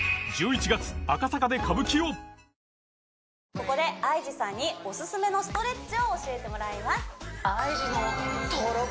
ここでＩＧさんにおすすめのストレッチを教えてもらいます